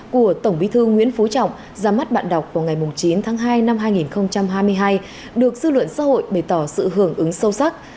của tổng bí thư nguyễn phú trọng ra mắt bạn đọc vào ngày chín tháng hai năm hai nghìn hai mươi hai được dư luận xã hội bày tỏ sự hưởng ứng sâu sắc